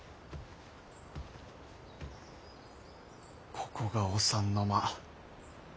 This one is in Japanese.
ここがお三の間。